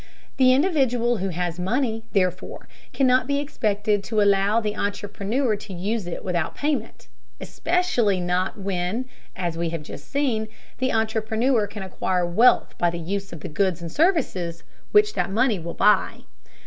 The individual who has money, therefore, cannot be expected to allow the entrepreneur to use it without payment, especially not when, as we have just seen, the entrepreneur can acquire wealth by the use of the goods and services which that money will buy.